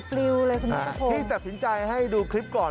ที่ตัดสินใจให้ดูคลิปก่อน